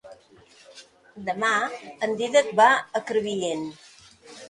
Demà en Dídac va a Crevillent.